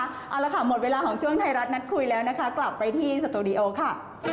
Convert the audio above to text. เอาละค่ะหมดเวลาของช่วงไทยรัฐนัดคุยแล้วนะคะกลับไปที่สตูดิโอค่ะ